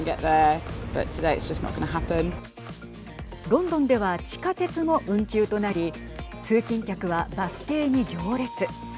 ロンドンでは地下鉄も運休となり通勤客はバス停に行列。